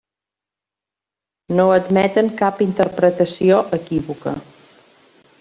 No admeten cap interpretació equívoca.